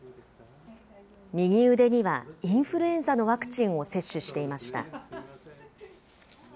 右腕にはインフルエンザのワクチンを接種していました。